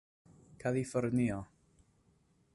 kalifornio